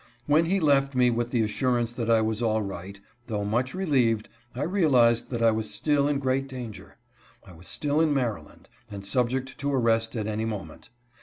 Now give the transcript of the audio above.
When he left me with the assurance that I was all right, though much relieved, I realized that I was still in great danger : I was still in Maryland, and subject to arrest at any moment.